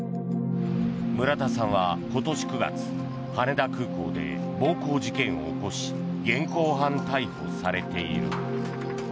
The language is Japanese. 村田さんは今年９月羽田空港で暴行事件を起こし現行犯逮捕されている。